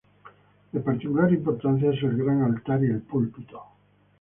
De particular importancia es el gran altar y el púlpito.